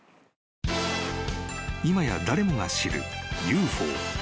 ［今や誰もが知るＵＦＯ］